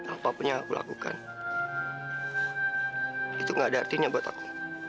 apapun yang aku lakukan itu gak ada artinya buat aku